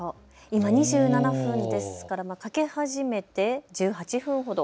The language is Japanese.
今２７分ですから欠け始めて１８分ほど。